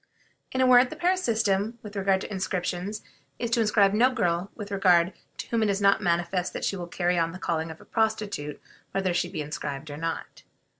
In a word, the Paris system with regard to inscriptions is to inscribe no girl with regard to whom it is not manifest that she will carry on the calling of a prostitute whether she be inscribed or not.